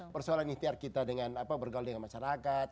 persoalan ikhtiar kita dengan bergaul dengan masyarakat